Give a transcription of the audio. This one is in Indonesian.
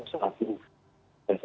saya sudah berputus putusan